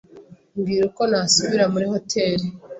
Mbwira uko nasubira muri hoteri.